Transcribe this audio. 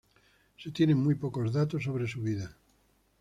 Se tienen muy poco datos sobre su vida.